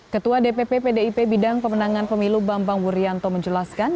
ketua dpp pdip bidang pemenangan pemilu bambang wuryanto menjelaskan